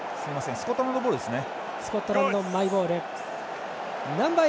スコットランドボールですね。